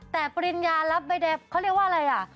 แต่ปริญญารับใบแดงเขาเรียกว่าอะไรอ่ะ